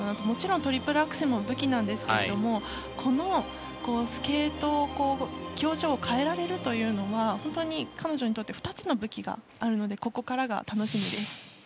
もちろんトリプルアクセルも武器なんですけどこのスケート表情を変えられるというのは本当に彼女にとって２つの武器があるのでここからが楽しみです。